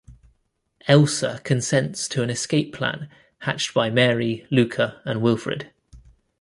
Elsa consents to an escape plan hatched by Mary, Luca and Wilfred.